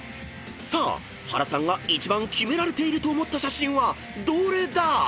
［さあ原さんが一番キメられていると思った写真はどれだ⁉］